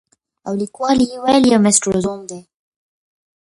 او ليکوال ئې William Mastrosimoneدے.